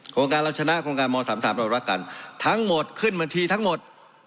โครงการเราชนะโครงการม๓๓เรารักกันทั้งหมดขึ้นบัญชีทั้งหมด